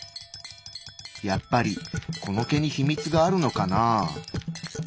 やっぱりこの毛に秘密があるのかなぁ。